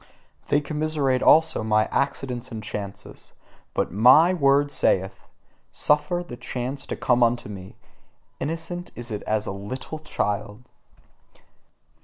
They commiserate also my accidents and chances: but MY word saith: "Suffer the chance to come unto me: innocent is it as a little child!"